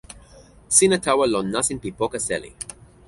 sina tawa lon nasin pi poka seli.